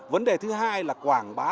vấn đề thứ hai là quảng bá